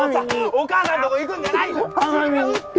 お母さんとこ行くんじゃないよ違うって